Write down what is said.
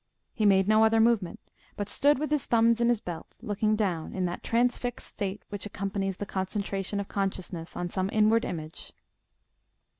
He made no other movement, but stood with his thumbs in his belt, looking down, in that transfixed state which accompanies the concentration of consciousness on some inward image.